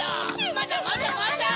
まだまだまだ！